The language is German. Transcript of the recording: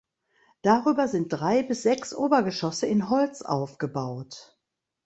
Darüber sind drei bis sechs Obergeschosse in Holz aufgebaut.